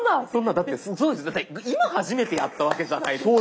だって今初めてやったわけじゃないですか。